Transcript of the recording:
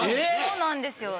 そうなんですよ。